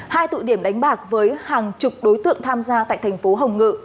hai tụ điểm đánh bạc với hàng chục đối tượng tham gia tại thành phố hồng ngự